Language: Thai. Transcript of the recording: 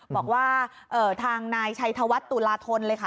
บอกว่าทางนายชัยธวัฒน์ตุลาธนเลยค่ะ